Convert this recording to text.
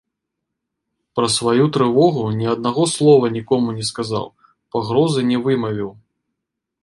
Пра сваю трывогу ні аднаго слова нікому не сказаў, пагрозы не вымавіў.